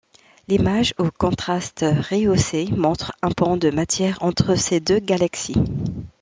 L'image aux contrastes rehaussés montre un pont de matière entre ces deux galaxies.